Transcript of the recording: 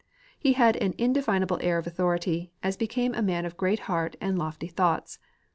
He had an indefinable air of authority, as became a man of great heart and lofty thoughts.